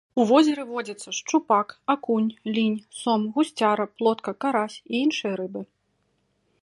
У возеры водзяцца шчупак, акунь, лінь, сом, гусцяра, плотка, карась і іншыя рыбы.